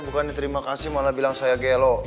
bukan diterima kasih malah bilang saya gelo